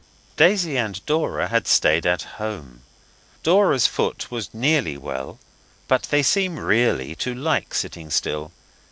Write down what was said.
Daisy and Dora had stayed at home: Dora's foot was nearly well but they seem really to like sitting still.